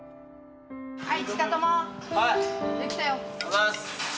はい。